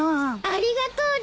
ありがとうです！